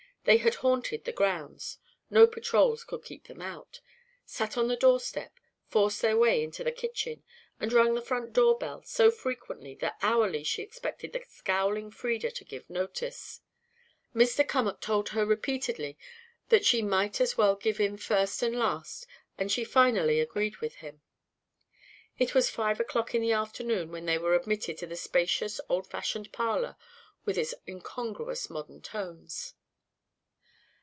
They had haunted the grounds no patrols could keep them out sat on the doorstep, forced their way into the kitchen, and rung the front door bell so frequently that hourly she expected the scowling Frieda to give notice. Mr. Cummack told her repeatedly that she might as well give in first as last and she finally agreed with him. It was five o'clock in the afternoon when they were admitted to the spacious old fashioned parlour with its incongruous modern notes.